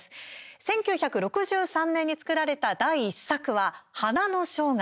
１９６３年に作られた第１作は「花の生涯」。